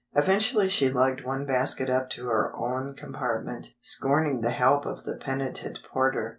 Eventually she lugged one basket up to her own compartment, scorning the help of the penitent porter.